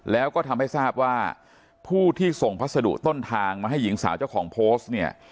แล้วก็ทำให้ทราบว่าผู้ที่ส่งพัสดุต้นทางมาให้หญิงสาวเจ้าของโพสต์เนี่ย